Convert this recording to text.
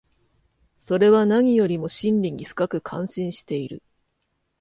それは何よりも真理に深く関心している。